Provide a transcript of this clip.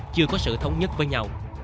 chưa có sự thống nhất với nhau